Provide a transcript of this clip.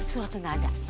suratnya gak ada